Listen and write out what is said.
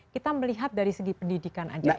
kita melihat dari segi pendidikan saja